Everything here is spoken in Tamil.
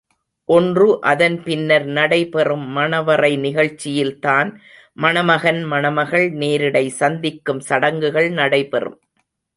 ஒன்று அதன் பின்னர் நடை பெறும் மணவறை நிகழ்ச்சியில்தான் மணமகன் மணமகள் நேரிடை சந்திக்கும் சடங்குகள் நடைபெறும்.